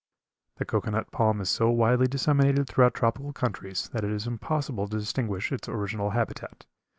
The cocoa nut palm is so widely disseminated throughout tropical countries that it is impossible to distinguish its original habitat.